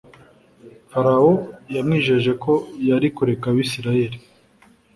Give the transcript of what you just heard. farawo yamwijeje ko yari kureka abisirayeli